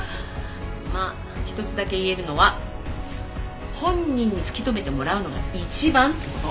まあ一つだけ言えるのは本人に突き止めてもらうのが一番って事。